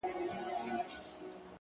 ما خو گيله ترې په دې په ټپه کي وکړه؛